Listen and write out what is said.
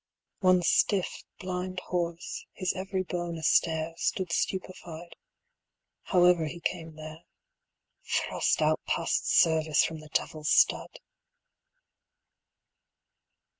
75 One stiff blind horse, his every bone a stare, Stood stupefied, however he came there; Thrust out past service from the devil's stud!